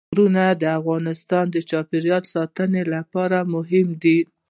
غرونه د افغانستان د چاپیریال ساتنې لپاره مهم دي.